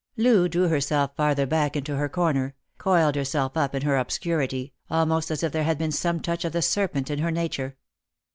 Loo drew herself farther back into her corner — coiled herself up in her obscurity, almost as if there had been some touch of the serpent in her nature.